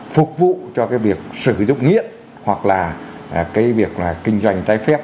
phục vụ cho cái việc sử dụng nghiện hoặc là cái việc là kinh doanh trái phép